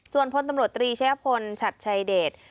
ส่วนพลตำรวจ๓ชะพลชัดชายเดช